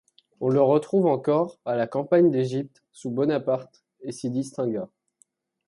On le retrouve encore à la campagne d'Égypte sous Bonaparte et s’y distingua.